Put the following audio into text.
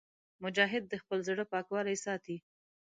مجاهد د خپل زړه پاکوالی ساتي.